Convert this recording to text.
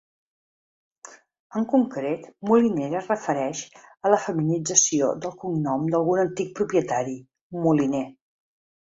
En concret Molinera es refereix a la feminització del cognom d’algun antic propietari, Moliner.